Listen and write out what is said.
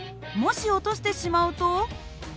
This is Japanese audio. もし落としてしまうと。